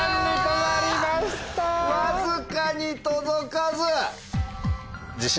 わずかに届かず。